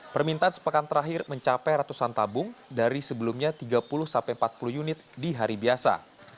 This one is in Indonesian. permintaan sepekan terakhir mencapai ratusan tabung dari sebelumnya tiga puluh sampai empat puluh unit di hari biasa